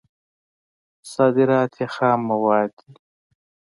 صادرات یې خام مواد دي.